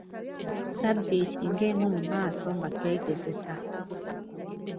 Ssabbiiti ng'emu mu maaso nga twegezesa.